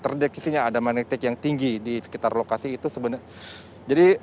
terdekisinya ada magnetik yang tinggi di sekitar lokasi itu sebenarnya